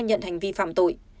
thịnh đã nhận hành vi phạm tội